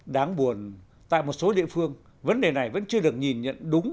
đáng buồn tại một số địa phương vấn đề này vẫn chưa được nhìn nhận đúng